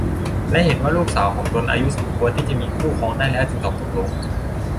และเห็นว่าลูกสาวของตนอายุสมควรที่จะมีคู่ครองได้แล้วจึงตอบตกลง